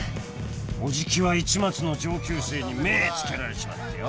［オジキは市松の上級生に目ぇ付けられちまってよ］